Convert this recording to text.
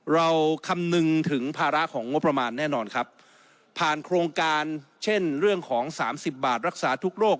เราคำนึงถึงภาระของงบประมาณแน่นอนครับผ่านโครงการเช่นเรื่องของสามสิบบาทรักษาทุกโรค